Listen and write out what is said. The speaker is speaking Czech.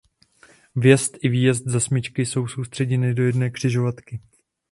Vjezd i výjezd ze smyčky jsou soustředěny do jedné „křižovatky“.